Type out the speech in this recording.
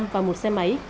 và một xe máy